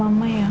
gak sama sekali